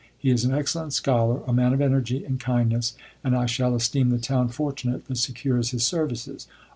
He is an excellent scholar, a man of energy and kindness, and I shall esteem the town fortunate that secures his services.